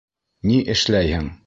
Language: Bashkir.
Ни эшләйһең?!